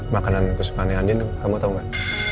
makanan kesukaan yang andino kamu tau gak